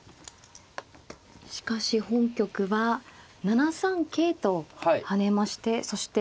しかし本局は７三桂と跳ねましてそして